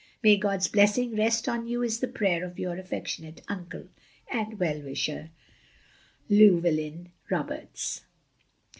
" May God's Blessing rest on you is the prayer of your affectionate uncle and welUwisher, Llewellyn Roberts."